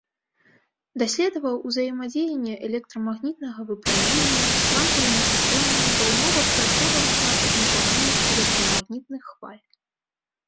Даследаваў узаемадзеянне электрамагнітнага выпраменьвання з квантавымі сістэмамі ва ўмовах прасторавага абмежавання электрамагнітных хваль.